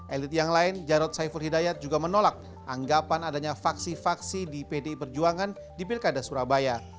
elit yang lain jarod saiful hidayat juga menolak anggapan adanya faksi faksi di pdi perjuangan di pilkada surabaya